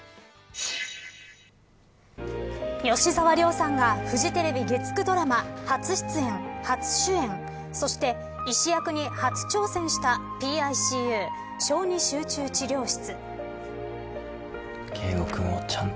吉沢亮さんがフジテレビ月９ドラマ初出演、初主演そして、医師役に初挑戦したＰＩＣＵ小児集中治療室。